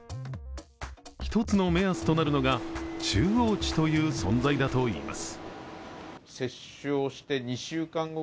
一つの目安となるのが中央値という存在だといいます。